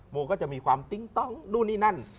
โมคก็จะมีความติ้งต้องซนี้นั่น